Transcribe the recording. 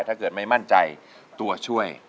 ถ้าเกิดไม่มั่นใจตัวช่วย